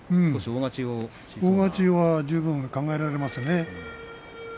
大勝ちは十分考えられますね。